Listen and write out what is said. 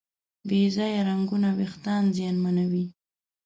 بې ځایه رنګونه وېښتيان زیانمنوي.